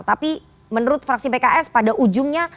tapi menurut fraksi pks pada ujungnya